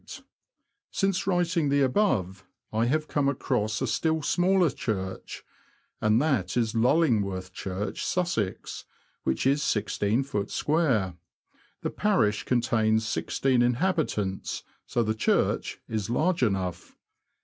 * Since writing the above, I have come across a still smaller church, and that is Lullingworth Church, Sussex, which is i6ft. square. The parish contains sixteen inhabitants, so the church is large enough.